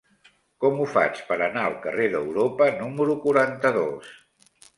Com ho faig per anar al carrer d'Europa número quaranta-dos?